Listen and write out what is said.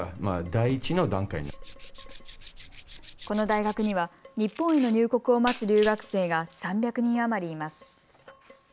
この大学には日本への入国を待つ留学生が３００人余りいます。